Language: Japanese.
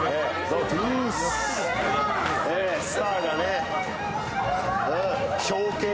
スターが。